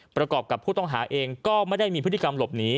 ประกอบกับผู้ต้องหาเองก็ไม่ได้มีพฤติกรรมหลบหนี